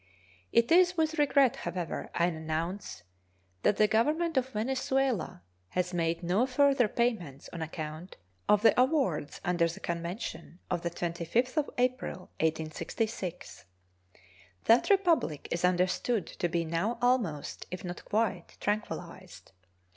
It is with regret, however, I announce that the Government of Venezuela has made no further payments on account of the awards under the convention of the 25th of April, 1866. That Republic is understood to be now almost, if not quite, tranquilized.